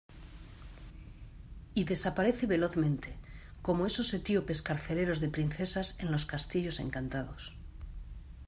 y desaparece velozmente, como esos etíopes carceleros de princesas en los castillos encantados.